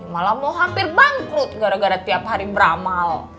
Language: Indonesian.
malah mau hampir bangkrut gara gara tiap hari beramal